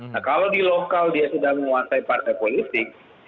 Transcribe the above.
nah kalau di lokal dia sudah menguasai partai politik